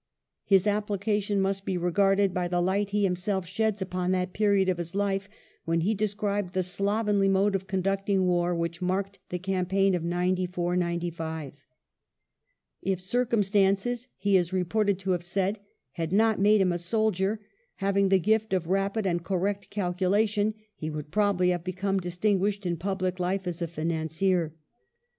His application must be regarded by the light he himself sheds upon that period of his life, when he described the slovenly mode of conducting war which marked the campaign of '94 '95. If circumstances, he is reported to have said, had not made him a soldier, having the gift of rapid and correct calculation, he would probably have become distinguished in public life as a financier.